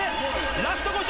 ラスト５０。